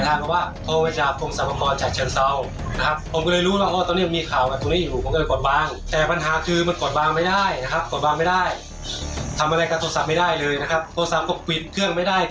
ฉลาดแห่งโบสถ์ยอดที่ปกติ